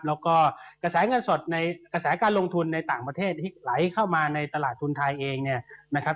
แล้วก็กระแสเงินสดในกระแสการลงทุนในต่างประเทศที่ไหลเข้ามาในตลาดทุนไทยเองเนี่ยนะครับ